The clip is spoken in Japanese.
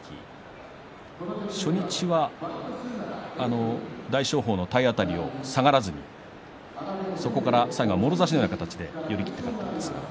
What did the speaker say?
初日は大翔鵬の体当たりを下がらずにそこから最後もろ差しでのような形で勝っています。